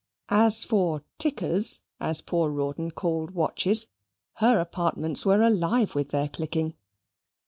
As for "tickers," as poor Rawdon called watches, her apartments were alive with their clicking.